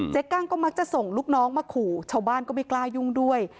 กั้งก็มักจะส่งลูกน้องมาขู่ชาวบ้านก็ไม่กล้ายุ่งด้วย